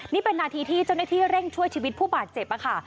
นี่เป็นนาทีที่เจ้าหน้าที่เร่งช่วยชีวิตผู้บาดเจ็บค่ะ